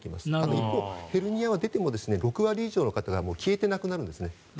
一方ヘルニアは出ても６割以上の人が消えてなくなるんですね。